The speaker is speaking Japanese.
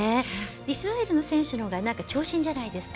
イスラエルの選手のほうが長身じゃないですか。